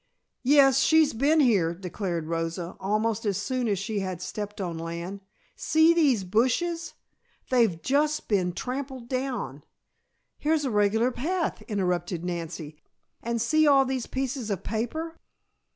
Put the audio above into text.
"Yes, she's been here," declared Rosa, almost as soon as she had stepped on land. "See these bushes? They've just been trampled down " "Here's a regular path," interrupted Nancy. "And see all these pieces of paper."